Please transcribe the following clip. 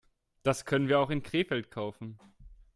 Das können wir auch in Krefeld kaufen